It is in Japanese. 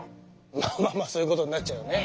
まあまあまあそういうことになっちゃうよね。